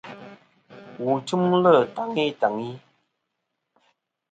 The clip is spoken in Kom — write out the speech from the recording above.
Wu tɨmlɨ taŋi taŋi.